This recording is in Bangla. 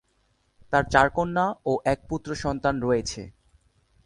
তার চার কন্যা ও এক পুত্র সন্তান রয়েছে।